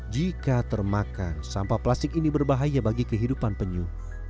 jika termakan sampah plastik ini berbahaya bagi kehidupan penyu